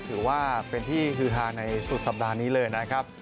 ถือว่าเป็นที่ฮือฮาในสุดสัปดาห์นี้เลยนะครับ